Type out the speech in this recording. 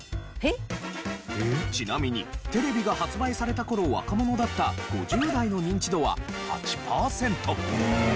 ちなみにテレビが発売された頃若者だった５０代のニンチドは８パーセント。